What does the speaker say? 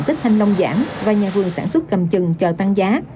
nơi diện tích thanh long giảm và nhà vườn sản xuất cầm chừng chờ tăng giá